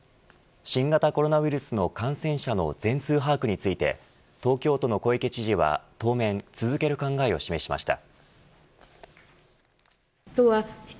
新型コロナウイルスの感染者の全数把握について東京都の小池知事は当面続ける考えを示しました。